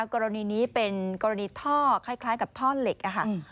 กรณีนี้เป็นกรณีท่อคล้ายกับท่อเหล็ก